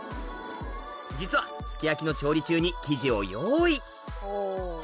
実はすき焼きの調理中に生地を用意